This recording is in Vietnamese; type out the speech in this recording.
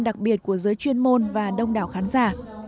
đặc biệt của giới chuyên môn và đông đảo khán giả